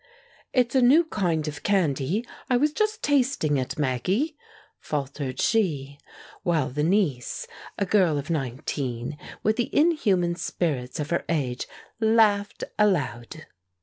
"It's a new kind of candy; I was just tasting it, Maggie," faltered she, while the niece, a girl of nineteen, with the inhuman spirits of her age, laughed aloud.